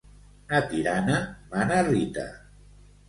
A Tirana mana Rita.